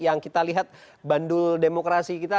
yang kita lihat bandul demokrasi kita